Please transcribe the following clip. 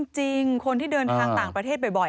จริงคนที่เดินทางต่างประเทศบ่อย